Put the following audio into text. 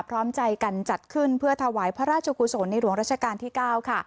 พร้อมใจกันจัดขึ้นเพื่อถวายพระราชกุศลในหลวงราชการที่๙ค่ะ